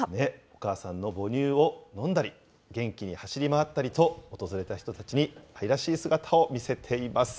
お母さんの母乳を飲んだり、元気に走り回ったりと、訪れた人たちに愛らしい姿を見せています。